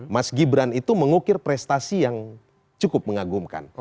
mas gibran itu mengukir prestasi yang cukup mengagumkan